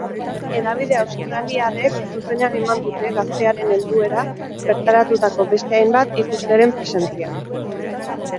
Hedabide australiarrek zuzenean eman dute gaztearen helduera bertaratutako beste hainbat ikusleren presentzian.